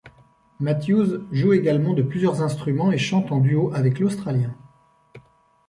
Matthews joue également de plusieurs instruments et chante en duo avec l'australien.